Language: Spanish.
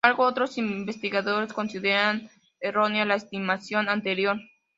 Sin embargo, otros investigadores consideran errónea la estimación anterior.